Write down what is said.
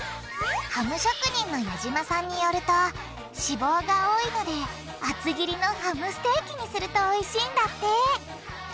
ハム職人の矢島さんによると脂肪が多いので厚切りのハムステーキにするとおいしいんだって。